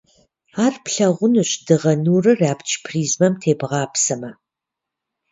Ар плъэгъунущ дыгъэ нурыр абдж призмэм тебгъапсэмэ.